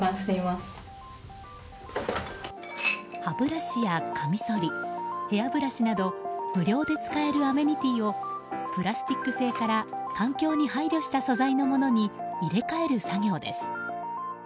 歯ブラシやかみそりヘアブラシなど無料で使えるアメニティーをプラスチック製から環境に配慮した素材のものに入れ替える作業です。